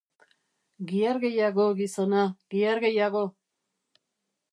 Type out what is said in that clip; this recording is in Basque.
Gihar gehiago, gizona, gihar gehiago!